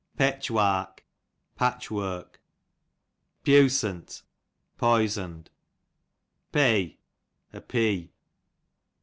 Petch wark, patch work, Pews'nt, poisoned, Pey, a pea.